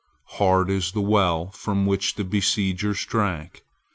Hard by is the well from which the besiegers drank.